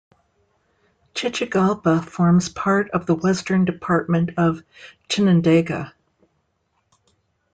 Chichigalpa forms part of the Western department of Chinandega.